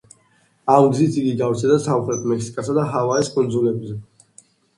ამ გზით იგი გავრცელდა სამხრეთ მექსიკასა და ჰავაის კუნძულებზე.